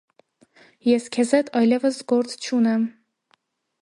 Ես քեզ հետ այլևս գործ չունեմ…